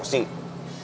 gak usah dipikirin